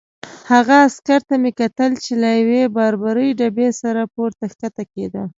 هغه عسکر ته مې کتل چې له یوې باربرې ډبې سره پورته کښته کېده.